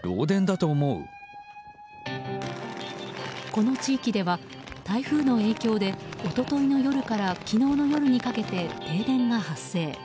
この地域では台風の影響で一昨日の夜から昨日の夜にかけて停電が発生。